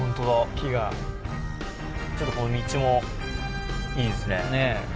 ちょっとこの道もいいですね。ねぇ。